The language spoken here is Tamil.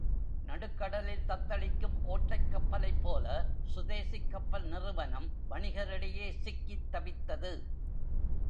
நடுக்கடலில் தத்தளிக்கும் ஓட்டைக் கப்பலைப் போல சுதேசிக் கப்பல் நிறுவனம் வணிகரிடையே சிக்கித் தவித்தது.